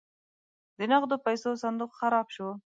د نغدو پیسو صندوق خراب شو.